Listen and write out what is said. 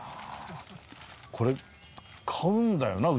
これ買うんだよな？